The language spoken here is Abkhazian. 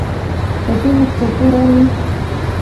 Пату зықәҵатәу роуми…